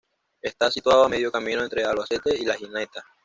Está situado a medio camino entre Albacete y La Gineta.